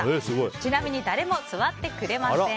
ちなみに誰も座ってくれません。